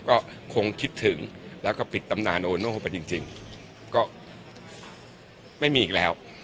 ก็คงคิดถึงแล้วก็ปิดตำนานโอโน่ไปจริงก็ไม่มีอีกแล้ว